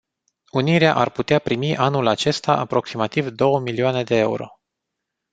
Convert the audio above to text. Unirea ar putea primi anul acesta aproximativ două milioane de euro.